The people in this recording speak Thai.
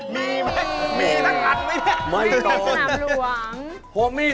มีใครไม่หิว